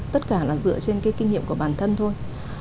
tất cả là dựa trên cái kinh nghiệm của bản thân thôi